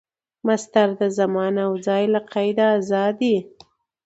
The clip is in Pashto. مصدر د زمان او ځای له قیده آزاد يي.